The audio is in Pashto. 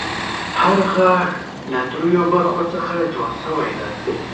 هر غاښ له دریو برخو څخه جوړ شوی دی.